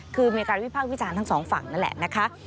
คือมีการวิพากษ์วิจารณ์ทั้งสองฝั่งนั่นแหละนะคะ